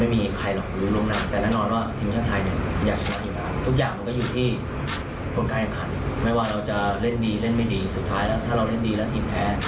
ไม่ว่าเราจะเล่นดีเล่นไม่ดีสุดท้ายถ้าเราเล่นดีแล้วทีมแพ้